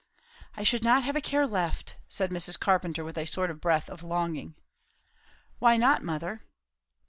"I should not have a care left!" said Mrs. Carpenter, with a sort of breath of longing. "Why not, mother?"